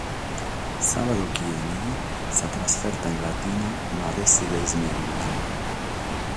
Sàbadu chi benit sa trasferta in Latina no at a èssere de sas mègius.